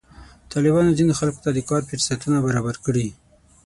طالبانو ځینې خلکو ته کار فرصتونه برابر کړي.